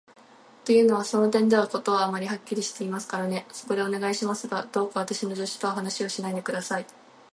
というのは、その点では事はあまりにはっきりしていますからね。そこで、お願いしますが、どうか私の助手とは話をしないで下さい。